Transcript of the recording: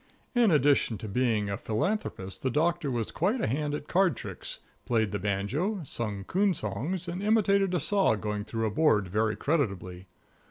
In addition to being a philanthropist the Doctor was quite a hand at card tricks, played the banjo, sung coon songs and imitated a saw going through a board very creditably.